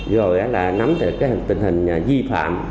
rồi nắm về tình hình di phạm